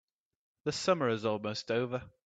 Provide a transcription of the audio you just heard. The summer is almost over.